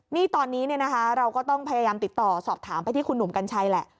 นี่ตอนนี้เราก็ต้องพยายามติดต่อสอบถามไปที่คุณหนุ่มกัญชัยแหละ